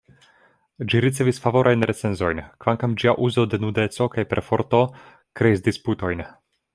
Ĝi ricevis favorajn recenzojn, kvankam ĝia uzo de nudeco kaj perforto kreis disputojn.